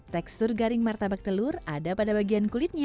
tekstur garing martabak telur ada pada bagian kulitnya